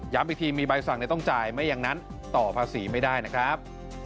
อีกทีมีใบสั่งต้องจ่ายไม่อย่างนั้นต่อภาษีไม่ได้นะครับ